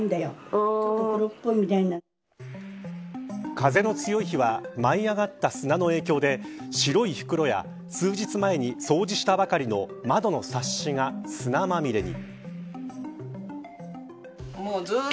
風の強い日は舞い上がった砂の影響で白い袋や数日前に掃除したばかりの窓のサッシが砂まみれに。